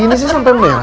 ini sih sampai merah